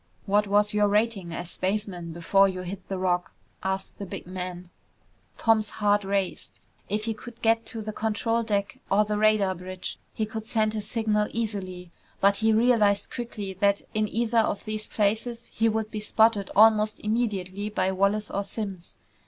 "What was your rating as spaceman before you hit the Rock?" asked the big man. Tom's heart raced. If he could get to the control deck or the radar bridge, he could send his signal easily. But he realized quickly that in either of these places he would be spotted almost immediately by Wallace or Simms.